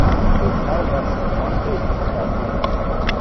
It is now less than one eighth of that figure.